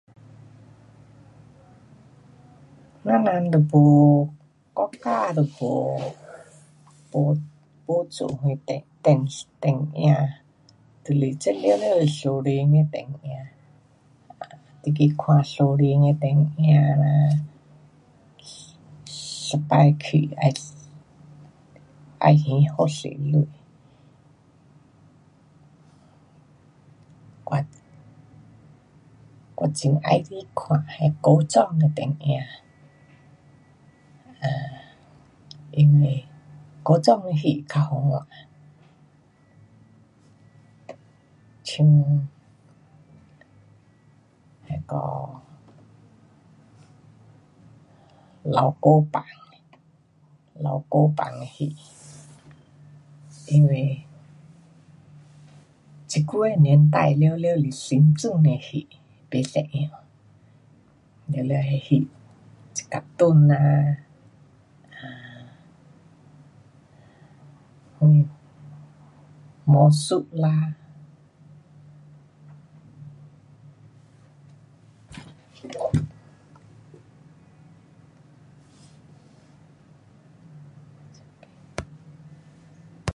我人都没，国家都没，没，没做什电，电视，电影，就是这全部是私人的电影。你去看私人的电影啦，一次去要，要还好多钱，我，我很喜欢看那古装的电影。[um]因为古装的戏较好看，像那个老古板，老古板的戏，因为这久的年代全部是新装的戏，不一样，全部那戏这cartoon,[um]魔术啦。